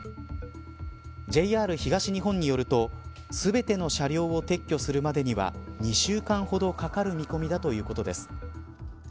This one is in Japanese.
ＪＲ東日本によると全ての車両を撤去するまでには２週間ほどかかる見込みだということです。